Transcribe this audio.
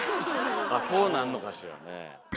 こうなんのかしらね。